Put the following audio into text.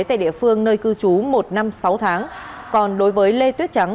tại địa phương nơi cư trú một năm sáu tháng còn đối với lê tuyết trắng